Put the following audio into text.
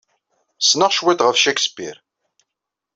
Ssneɣ cwiṭ ɣef Shakespeare.